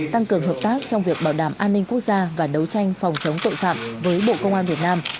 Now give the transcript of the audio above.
tăng cường hợp tác trong việc bảo đảm an ninh quốc gia và đấu tranh phòng chống tội phạm với bộ công an việt nam